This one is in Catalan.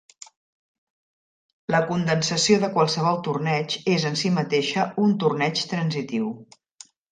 La condensació de qualsevol torneig és en si mateixa un torneig transitiu.